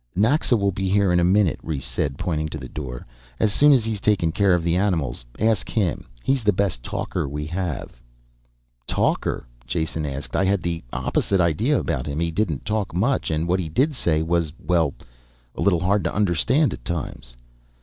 "Naxa will be here in a minute," Rhes said, pointing to the door, "as soon as he's taken care of the animals. Ask him. He's the best talker we have." "Talker?" Jason asked. "I had the opposite idea about him. He didn't talk much, and what he did say was, well ... a little hard to understand at times."